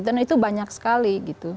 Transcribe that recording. jadi itu banyak sekali gitu